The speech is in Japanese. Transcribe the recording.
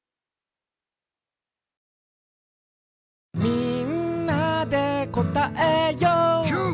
「みんなでこたえよう」キュー！